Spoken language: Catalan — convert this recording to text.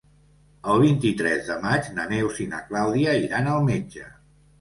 El vint-i-tres de maig na Neus i na Clàudia iran al metge.